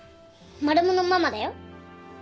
マルモのママだよ。